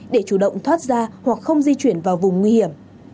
để chủ động thoát ra hoặc không di chuyển vào vùng nguy hiểm